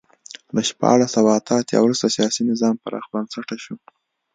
له شپاړس سوه اته اتیا وروسته سیاسي نظام پراخ بنسټه شو.